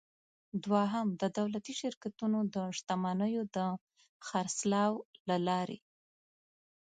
دوهم: د دولتي شرکتونو د شتمنیو د خرڅلاو له لارې.